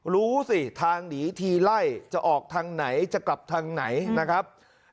รู้สิทางหนีทีไล่จะออกทางไหนจะกลับทางไหนนะครับ